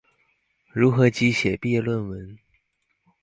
如何撰寫畢業論文